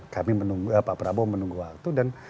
kami menunggu pak prabowo menunggu waktu dan